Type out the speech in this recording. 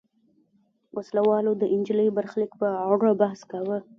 وسله والو د نجلۍ برخلیک په اړه بحث کاوه.